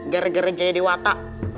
gara gara jaya dewata